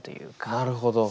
なるほど。